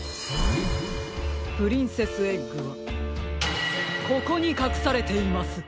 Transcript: プリンセスエッグはここにかくされています！